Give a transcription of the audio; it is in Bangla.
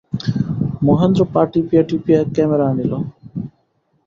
মহেন্দ্র পা টিপিয়া টিপিয়া ক্যামেরা আনিল।